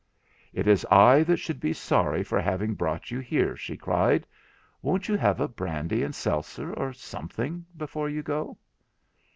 'It is I that should be sorry for having brought you here,' she cried. 'Won't you have a brandy and seltzer or something before you go?'